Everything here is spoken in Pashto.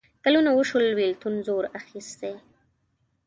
کلونه وشول بېلتون زور اخیستی.